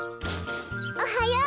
おはよう！